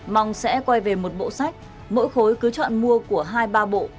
mong sẽ quay về một bộ sách mỗi khối cứ chọn mua của hai ba bộ